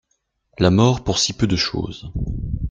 La mort pour si peu de chose!